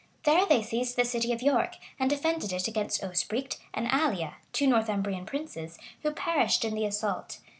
They there seized the city of York, and defended it against Osbricht and Ælia, two Northumbrian princes, who perished in the assault.